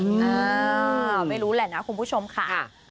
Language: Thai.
อ่าไม่รู้แหละนะคุณผู้ชมค่ะ